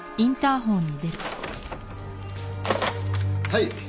はい。